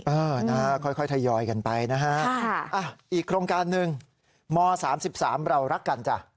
เออนะฮะค่อยทยอยกันไปนะฮะอีกโครงการหนึ่งม๓๓เรารักกันจ้ะ